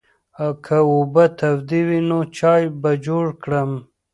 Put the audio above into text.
که اوبه تودې وي نو چای به جوړ کړم.